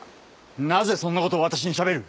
なぜそんな事を私にしゃべる？